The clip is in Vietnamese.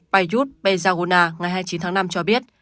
paiyut pejaguna ngày hai mươi chín tháng năm cho biết